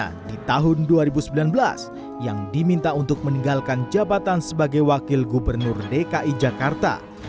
karena di tahun dua ribu sembilan belas yang diminta untuk meninggalkan jabatan sebagai wakil gubernur dki jakarta